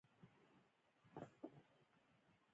میلمهپالنه د افغانانو د ویاړ وړ دود دی.